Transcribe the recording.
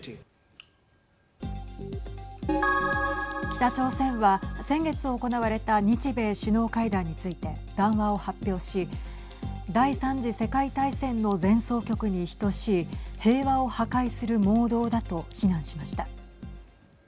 北朝鮮は先月、行われた日米首脳会談について談話を発表し第３次世界大戦の前奏曲に等しい平和を破壊する妄動だと非難しました。